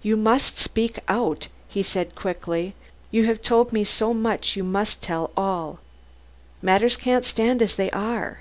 "You must speak out," he said quickly, "you have told me so much you must tell me all. Matters can't stand as they are.